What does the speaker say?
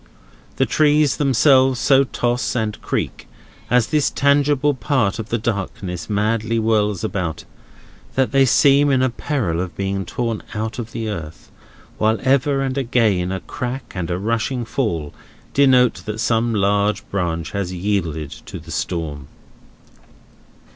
The trees themselves so toss and creak, as this tangible part of the darkness madly whirls about, that they seem in peril of being torn out of the earth: while ever and again a crack, and a rushing fall, denote that some large branch has yielded to the storm.